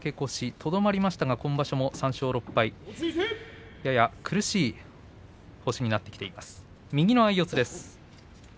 とどまりましたが今場所も３勝６敗とやや苦しい星になっています。